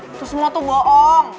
itu semua tuh bohong